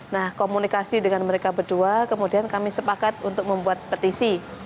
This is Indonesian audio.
nah komunikasi dengan mereka berdua kemudian kami sepakat untuk membuat petisi